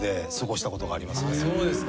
そうですか。